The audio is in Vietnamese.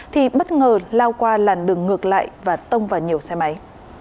thì bất ngờ lao qua làn đường ngược lại và tông vào nhiều xe máy